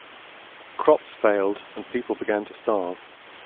Crops failed and people began to starve.